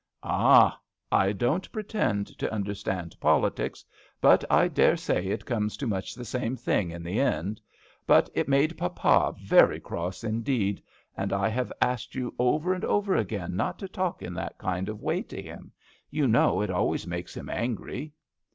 " Ah ! I don't pretend to under stand politics, but I dare say it comes to much the same thing in the end. But it made papa very cross indeed; and I have asked you over and over again not to talk in that kind of way to him. You know it always makes him angry."